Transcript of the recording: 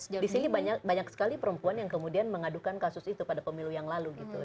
di sini banyak sekali perempuan yang kemudian mengadukan kasus itu pada pemilu yang lalu gitu